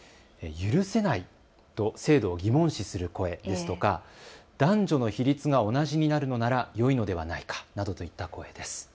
許せないと制度を疑問視する声ですとか男女の比率が同じになるのならよいのではないかなどといった声です。